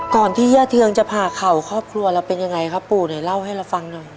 ที่ย่าเทืองจะผ่าเข่าครอบครัวเราเป็นยังไงครับปู่ไหนเล่าให้เราฟังหน่อย